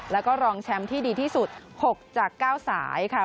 แล้วก็รองแชมป์ที่ดีที่สุด๖จาก๙สายค่ะ